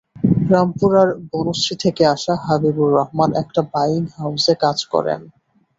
রামপুরার বনশ্রী থেকে আসা হাবিবুর রহমান একটি বায়িং হাউসে কাজ করেন।